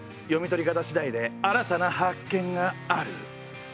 読み取り方しだいで新たな発見がある！